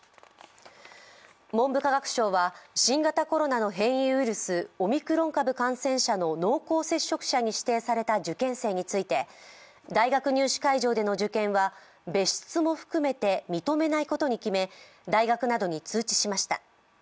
文部科学省は新型コロナの変異ウイルス、オミクロン株感染者の濃厚接触者に指定された受験生について、大学入試会場での受験は別室も含めて認めないことに決め、大学などに通知しました。